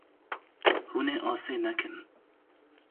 Hûn ê asê nekin.